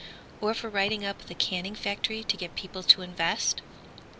Or for writing up the canning factory To get people to invest?